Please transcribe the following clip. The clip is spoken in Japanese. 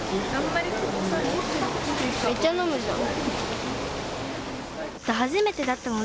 めっちゃ飲むじゃん。